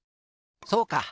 そうか！